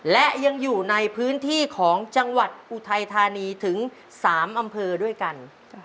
และยังอยู่ในพื้นที่ของจังหวัดอุทัยธานีถึง๓อำเภอด้วยกัน